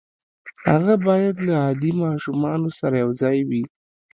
هغه بايد له عادي ماشومانو سره يو ځای وي.